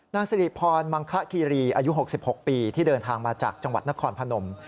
นางสิริพรมังคละคีรีอายุ๖๖ปีที่เดินทางมาจากจังหวัดนครพนม